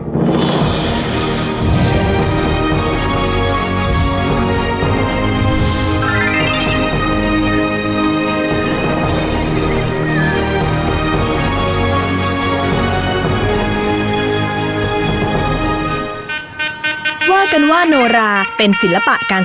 คุณผู้ชมอยู่กับดิฉันใบตองราชนุกูลที่จังหวัดสงคลาค่ะ